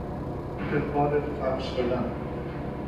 به خارج پخش شدن